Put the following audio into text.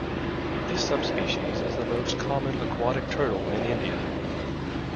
This subspecies is the most common aquatic turtle in India.